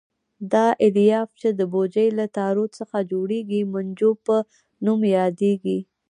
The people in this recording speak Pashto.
دا الیاف چې د بوجۍ له تارو څخه جوړېږي مونجو په نوم یادیږي.